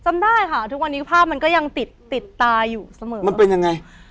จำได้ค่ะทุกวันนี้ภาพมันก็ยังติดติดตาอยู่เสมอมันเป็นยังไง